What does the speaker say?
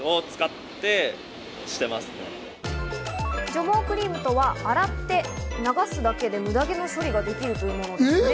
除毛クリームとは、洗って流すだけでムダ毛の処理ができるというものなんですね。